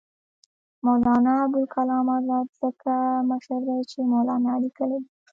مولنا ابوالکلام آزاد ځکه مشر دی چې مولنا لیکلی دی.